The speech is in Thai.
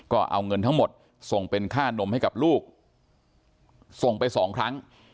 ก็เอาเงินทั้งหมดส่งเป็นค่านมให้กับลูกส่งไปสองครั้ง